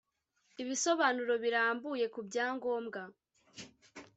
Ibisobanuro birambuye ku byangombwa